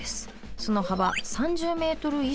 そのはば３０メートル以上！